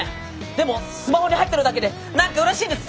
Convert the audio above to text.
でもスマホに入ってるだけで何かうれしいんです！